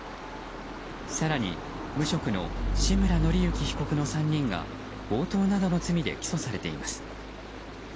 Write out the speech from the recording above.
更に無職の志村津之被告の３人が強盗などの罪で起訴されています。